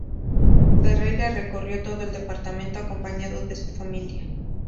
Ferreira recorrió todo el departamento, acompañado de su familia.